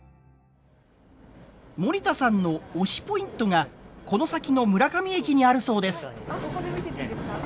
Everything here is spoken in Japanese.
森田さんの推しポイントがこの先の村上駅にあるそうです。